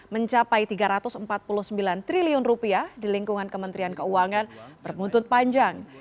mencapai rp tiga ratus empat puluh sembilan triliun di lingkungan kementerian keuangan berbuntut panjang